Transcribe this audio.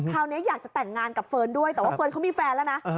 คราวนี้อยากจะแต่งงานกับเฟิร์นด้วยแต่ว่าเฟิร์นเขามีแฟนแล้วนะ